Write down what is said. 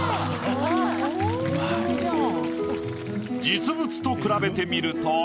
実物と比べてみると。